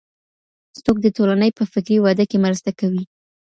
څوک د ټولني په فکري وده کي مرسته کوي؟